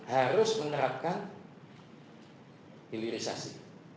harus menerapkan hilirisasi